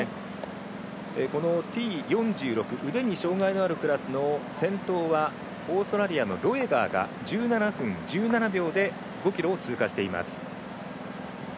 Ｔ４６腕に障がいのあるクラスの先頭はオーストラリアのロエガーが１７分１７秒で５ｋｍを通過しています。